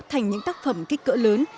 thành những tác phẩm kích cỡ lớn